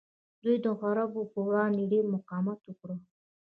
دوی د عربو پر وړاندې ډیر مقاومت وکړ